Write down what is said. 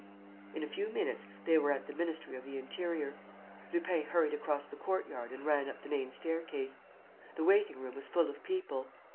In a few minutes, they were at the Ministry of the Interior. Lupin hurried across the courtyard and ran up the main staircase. The waiting room was full of people.